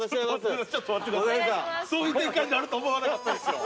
そういう展開になると思わなかったですよ。